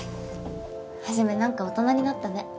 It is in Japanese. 肇何か大人になったね。